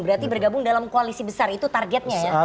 berarti bergabung dalam koalisi besar itu targetnya ya